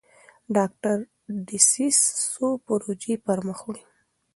ډاکټر ډسیس څو پروژې پرمخ وړي.